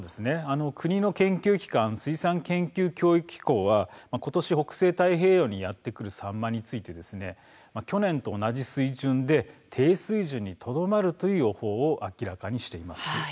国の研究機関水産研究・教育機構は北西太平洋に今年やって来るサンマについて去年と同じ水準で低水準にとどまるという予報を明らかにしています。